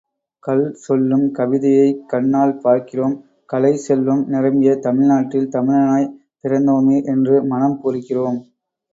கல் சொல்லும் கவிதையைக் கண்ணால் பார்க்கிறோம் கலைச் செல்வம் நிரம்பிய தமிழ்நாட்டில் தமிழனாய்ப் பிறந்தோமே என்று மனம் பூரிக்கிறோம்.